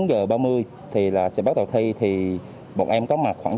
một mươi bốn h ba mươi thì là sẽ bắt đầu thi thì bọn em có mặt khoảng